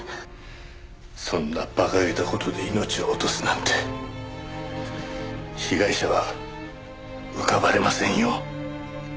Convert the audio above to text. そんな馬鹿げた事で命を落とすなんて被害者は浮かばれませんよ。